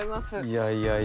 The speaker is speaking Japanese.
いやいや。